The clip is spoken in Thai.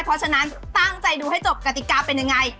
เพราะฉะนั้นตั้งใจดูให้จบกติกาเป็นยังไง